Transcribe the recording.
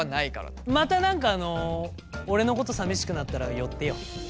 また何かあの俺のこと寂しくなったら寄ってよって。